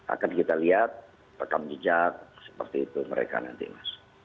akan kita lihat rekam jejak seperti itu mereka nanti mas